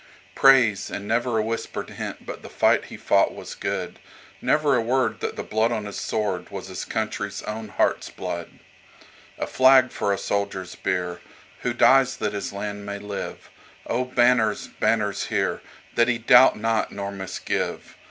Praise, and never a whispered hint but the fight he fought was good; Never a word that the blood on his sword was his country's own heart's blood.A flag for a soldier's bierWho dies that his land may live;O banners, banners here, That he doubt not nor misgive!